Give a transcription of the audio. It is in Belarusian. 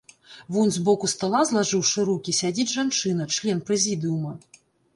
Вунь з боку стала, злажыўшы рукі, сядзіць жанчына, член прэзідыума.